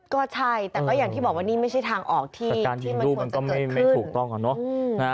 ก็ใช่แต่ก็อย่างที่บอกว่านี่ไม่ใช่ทางออกที่มันควรจะเกิดขึ้น